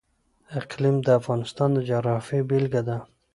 اقلیم د افغانستان د جغرافیې بېلګه ده.